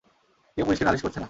কেউ পুলিশকে নালিশ করছে না।